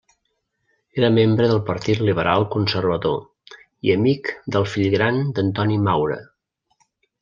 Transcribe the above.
Era membre del Partit Liberal Conservador i amic del fill gran d'Antoni Maura.